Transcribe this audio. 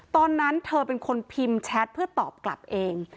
ตอนนั้นเธอเป็นคนพิมพ์แชทเพื่อตอบกลับเอง